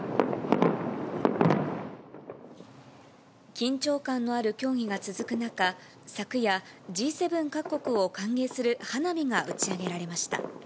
緊張感のある協議が続く中、昨夜、Ｇ７各国を歓迎する花火が打ち上げられました。